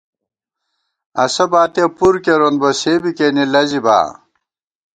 اسہ باتِیہ پُر کېرون بہ ، سے بی کېنے لَزِبا